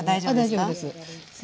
あ大丈夫です。